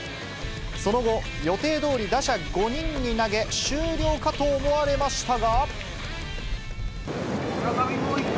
その後、予定どおり打者５人に投げ、終了と思われましたが。